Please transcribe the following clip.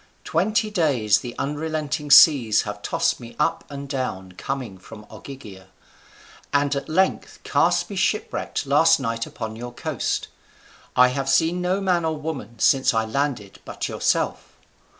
Twenty days the unrelenting seas have tossed me up and down coming from Ogygia, and at length cast me shipwrecked last night upon your coast. I have seen no man or woman since I landed but yourself.